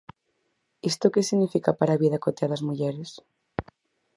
¿Isto que significa para a vida cotiá das mulleres?